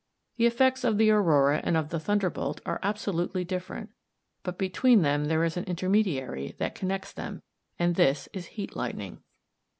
The effects of the aurora and of the thunderbolt are absolutely different; but between them there is an intermediary that connects them, and this is heat lightning.